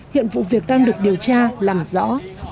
hiện vụ việc đang được điều tra làm rõ